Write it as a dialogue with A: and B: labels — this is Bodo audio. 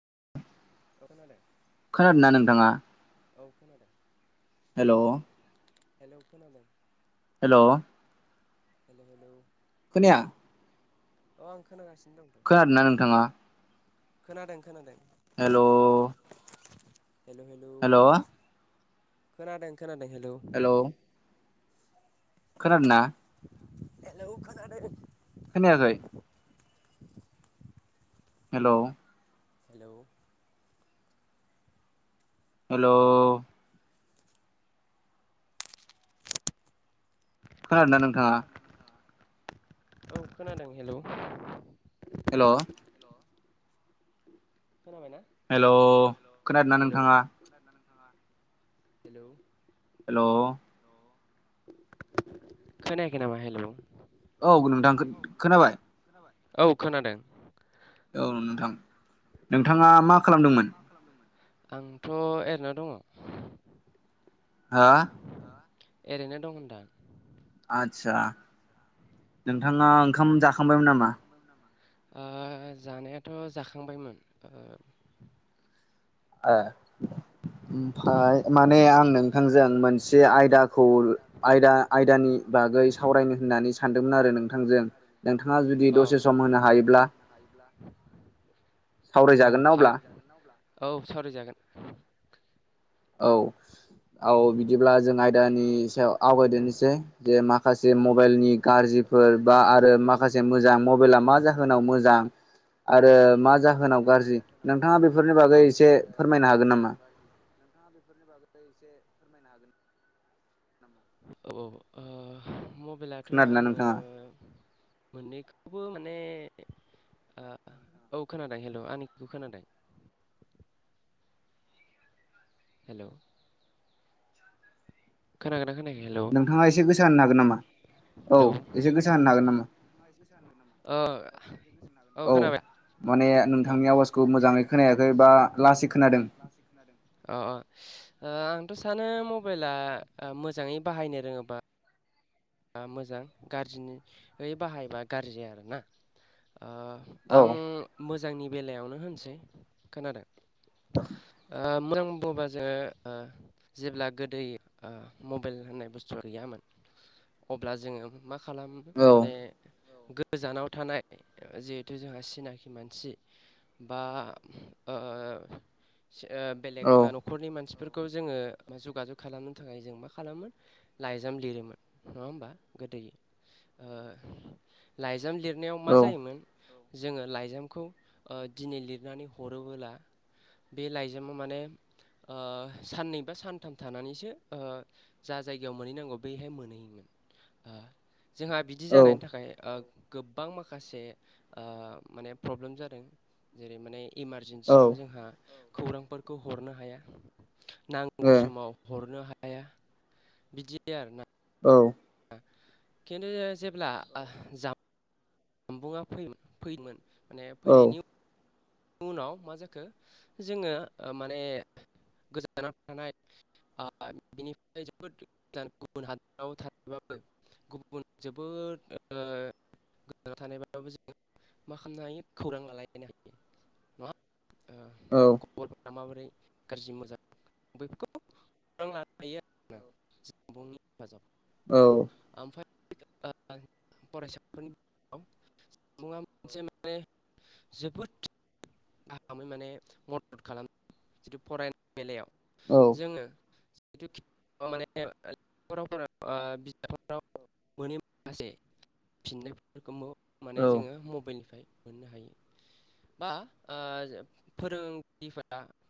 A: औ खोनादों
B: खोनादों नोंथाङा?
A: औ खोनादों
B: हेलौ।
A: हेलौ खोनादों।
B: हेलौ।
A: [unintelligible]
B: खोनाया।
A: अ आं खोनागासिनो दंथ'
B: खोनादों ना नोंथांङा
A: खोनादों खोनादों
B: हेलौ
A: हेलौ हेलौ खोनादों खोनादों हेलौ
B: हेल' खोनादोंना
A: हेलौ खोनादों
B: खोनायाखै हेलौ
A: हेलौ
B: हेलौ खोनादों ना नोंथाङा
A: औ खोनादों हेलौ
B: हेल हेल' खोनादोंना
A: हेल
B: नोंथाङा
A: हेल
B: हेल'
A: खोनायाखै नामा हेल'
B: औ नोंथां खोनाबाय
A: औ खोनादों
B: औ नोंथां नोंथाङा
A: औ
B: मा खालामदोंमोन
A: आंथ' एरैना दङ'
B: हा
A: ओरैनो दं होनदां
B: आदसा नोंथाङा ओंखाम जाखांबायमोन नामा
A: जानायाथ' जाखांबायमोन
B: आ
A: आ
B: ओमफाय माने आं नोंथांजों मोनसे आयदाखौ आयदा आयदानि बागै सावरायनो होन्नानै सानदोंमोन आरो नोंथांजों नोंथाङा जुदि
A: ओ अ नोंथाङा
B: दसे सम
A: आंजों
B: होनो
A: दसे सम
B: हायोब्ला
A: [inaudible] औ
B: सावरायजागोन ना
A: हा
B: अब्ला
A: औ सावरायजागोन सावराय जागोन
B: औ औ बिदिब्ला जों आयदानि सायाव आवगायदेनोसै जे मा माखासे मबाइलनि गाज्रिफोर बा आरो माखासे मोजां मबाइला मा जाहोनाव मोजां आरो मा जाहोनाव गाज्रि नोंथाङा बेफोरनि बागै
A: औ
B: एसे फोरमायनो हागोन नामा
A: बेफोरनि बागै एसे फोरमायनो हागोन नामा औ ओ मबाइलाथ'
B: खोनादोंना
A: आङो
B: नोंथाङा
A: मोननैखौबो माने औ खोनादों हेल' आनिखौ खोनादों हेलौ खोनागोना खोनायाखै हेल' हेल'
B: नोंथाङा एसे गोसा होनो हागोन नामा औ एसे गोसा होननो हागोन नामा
A: ओ औ खोनाबाय
B: माने नोंथांनि
A: माने
B: आवाजखौ मोजाङै
A: नोंथांनि आवाजखौ
B: खोनायाखै बा
A: मोजाङै खोनायाखै
B: लासै
A: बा
B: खोनादों
A: लासै खोनादों ओ ओ औ आंथ' सानो मबाइला मोजाङै बाहायनो रोङोबा मोजां गाज्रियै बाहायबा गाज्रि आरोना ओ
B: औ
A: आं मोजांनि बेलायावनो होनसै खोनादों मोजां बुङोबा जोङो ओ जेब्ला गोदो मबाइल होननाय बुस्थुआ गैयामोन अब्ला जोङो मा खालामो
B: औ
A: माने गोजानाव थानाय जिहेथु जोंहा सिनाखि मानसि बा ओ बेलेग
B: औ
A: न'खरनि मानसिफोर खौ जोङो जगाजग खालामनो थाखाय जों मा खालामोन लाइजाम लिरोमोन। नङा हबा गोदो ओ लाइजाम लिरनायाव मा
B: औ
A: जायोमोन। जोङो लाइजामखौ ओ दिनै लिरनानै हरोबोला। बे लाइजामा माने ओ साननै बा सानथाम थानानैसो ओ जा जायगायाव मोनहैनांगौ बैहाय मोनहैयो। जोंहा बिदि
B: औ
A: जानायनि थाखाय। गोबां माखासे माने प्रब्लेम जादों जेरै माने इमारजेन्सियाव
B: औ
A: जोंहा खौरांफोरखौ हरनो हाया। नांगौ
B: ए
A: समाव हरनो हाया बिदि आरो न
B: औ
A: खिन्थु जेब्ला जाम्बुंआ फै माने
B: औ
A: फैनायनि उनाव उनाव मा जाखो जोङो माने गोजान जानानै थानाय बिनिफ्राय जोबोद गुबुन हादराव थानाय। गुबुन जोबोद गोजानाव थानायबाबो जों मा खालामनो हायो खौरां लालायलायनो हायो नङा ओ
B: औ।
A: खबरफोरा माबोरै गाज्रि मोजां बैफोरखौ लानो हायो आरो। [unintelligible] फरायसाफोरनि सुबुङा मोनसे माने जोबोद। गाहामै माने मदद खालामो जिथु फरायनाय बेलायाव
B: औ औ
A: जोङो। माने मोननि माखासे फिननायफोरखौ माने
B: औ
A: जोङो मबाइलनिफ्राय मोननो हायो बा फोरोंगिरिफोरा